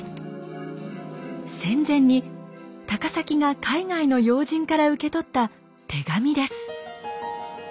戦前に高碕が海外の要人から受け取った手紙です。